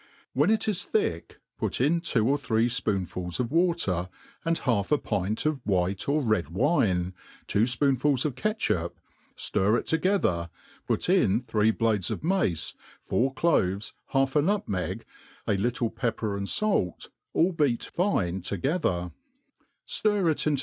When it is thick, put in two or three fpoohfu Is of water, and half a pintof white or red wine, two fpobnfuls of qatchup, ftir it together, put i*n three blades of mace, four cloves, half a nut meg, a iirtie pepper and fait, all beat fine together ^ ftir it into ''^